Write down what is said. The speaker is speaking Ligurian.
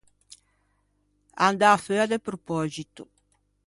Andâ feua de propöxito.